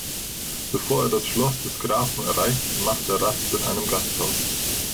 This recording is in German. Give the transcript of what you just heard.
Bevor er das Schloss des Grafen erreicht, macht er Rast in einem Gasthaus.